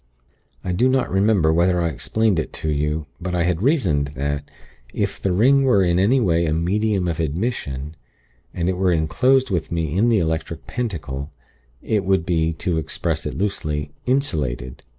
"I do not remember whether I explained it to you. But I had reasoned that, if the ring were in any way a 'medium of admission,' and it were enclosed with me in the Electric Pentacle, it would be, to express it loosely, insulated.